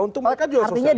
untuk mereka juga sosialisasi